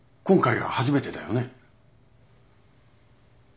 今回が初めてだよね？